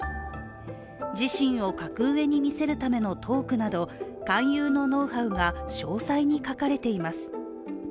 自身を格上に見せるためのトークなど勧誘のノウハウが詳細に書かれています。